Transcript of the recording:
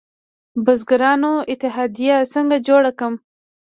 د بزګرانو اتحادیه څنګه جوړه کړم؟